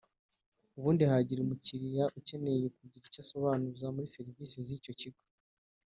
ubundi hagira umukiliya ukenera kugira ibyo asobanuza kuri serivisi z’icyo kigo